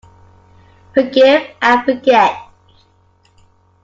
Forgive and forget.